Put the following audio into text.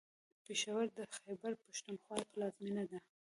پېښور د خیبر پښتونخوا پلازمېنه ده.